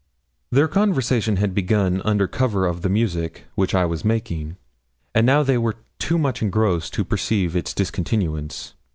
Their conversation had begun under cover of the music which I was making, and now they were too much engrossed to perceive its discontinuance.